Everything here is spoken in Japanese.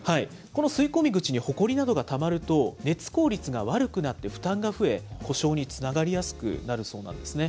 この吸い込み口にほこりなどがたまると、熱効率が悪くなって負担が増え、故障につながりやすくなるそうなんですね。